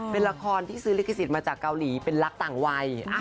เป็นละครที่ซื้อลิขสิทธิ์มาจากเกาหลีเป็นรักต่างวัย